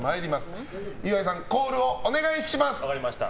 岩井さん、コールをお願いします。